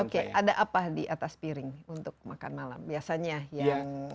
oke ada apa di atas piring untuk makan malam biasanya yang